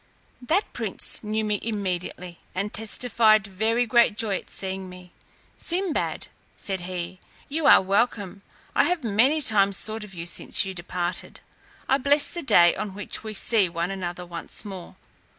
That prince knew me immediately, and testified very great joy at seeing me. "Sinbad," said he, "you are welcome; I have many times thought of you since you departed; I bless the day on which we see one another once more."